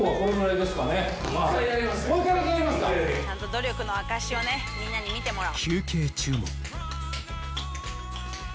努力の証しをみんなに見てもらおう。